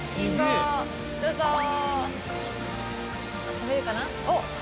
食べるかな？